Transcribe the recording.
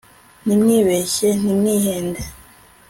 ntimwibeshye ntimwihende